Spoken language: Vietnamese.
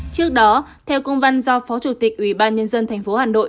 trước đó theo công văn do phó chủ tịch ủy ban nhân dân thành phố hà nội